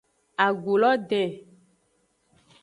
Agu lo den.